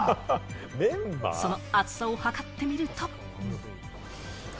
その厚さを測ってみると。